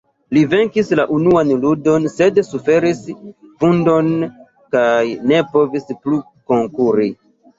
Li venkis la unuan ludon, sed suferis vundon kaj ne povis plu konkuri.